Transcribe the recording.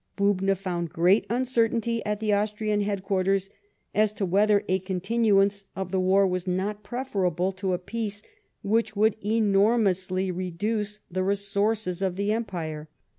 Bubna found great uncertainty at the Austrian headquarters as to whether a continuance of the war was not preferable to a peace which would enor mously reduce the resources of the Empire.